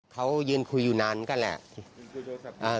เขายืนคุยอยู่นานก็แหละ